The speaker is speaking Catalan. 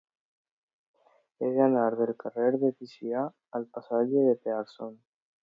He d'anar del carrer de Ticià al passatge de Pearson.